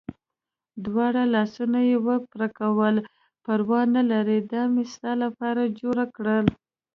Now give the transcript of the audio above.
دواړه لاسونه یې و پړکول، پروا نه لرې دا مې ستا لپاره جوړ کړل.